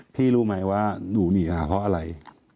รู้ไหมว่าหนูหนีหาเพราะอะไร